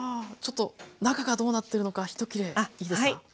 ちょっと中がどうなってるのかひと切れいいですか？